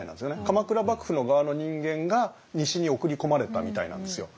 鎌倉幕府の側の人間が西に送り込まれたみたいなんですよ。